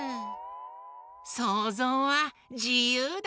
そうぞうはじゆうだ！